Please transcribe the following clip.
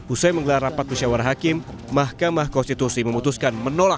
usai menggelar rapat musyawar hakim mahkamah konstitusi memutuskan menolak